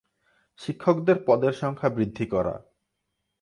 শিক্ষকদের পদের সংখ্যা বৃদ্ধি করা।